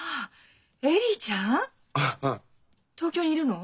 東京にいるの？